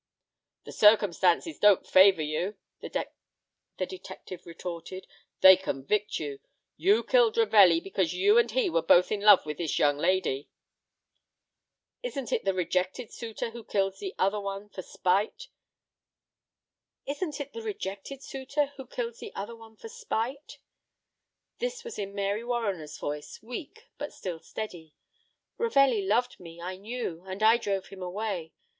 "The circumstances don't favor you," the detective retorted, "they convict you. You killed Ravelli because you and he were both in love with this young lady." "Isn't it the rejected suitor who kills the other one for spite?" This was in Mary Warriner's voice, weak, but still steady. "Ravelli loved me, I knew, and I drove him away.